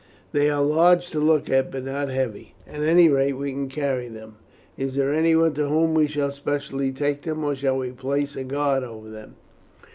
"They are large to look at, but not heavy. At any rate we can carry them. Is there anyone to whom we shall specially take them, or shall we place a guard over them?"